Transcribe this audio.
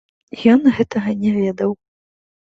Ён гэтага не ведаў.